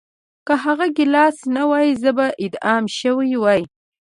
که هغه ګیلاس نه وای زه به اعدام شوی وای